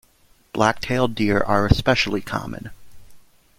Black-tailed deer are especially common.